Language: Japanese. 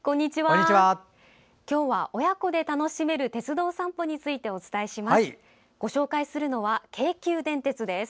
今日は親子で楽しめる鉄道散歩についてお伝えします。